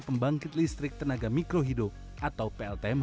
pembangkit listrik tenaga mikrohidro atau pltm